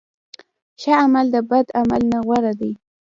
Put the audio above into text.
ښه عمل د بد عمل نه غوره دی.